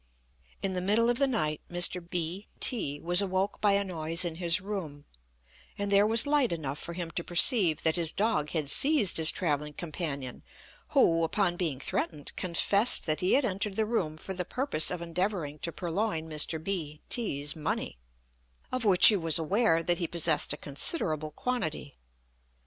In the middle of the night Mr. B t was awoke by a noise in his room, and there was light enough for him to perceive that his dog had seized his travelling companion, who, upon being threatened, confessed that he had entered the room for the purpose of endeavouring to purloin Mr. B t's money, of which he was aware that he possessed a considerable quantity.